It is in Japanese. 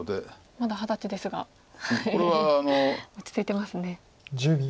まだ二十歳ですが落ち着いてますね。